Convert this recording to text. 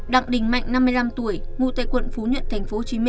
đặng đình mạnh năm mươi năm tuổi ngụ tại quận phú nhuận tp hcm